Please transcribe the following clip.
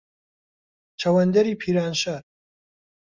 چەوەندەری پیرانشار